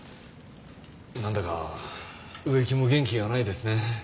なんだか植木も元気がないですね。